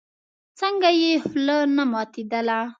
څنگه يې خوله نه ماتېدله.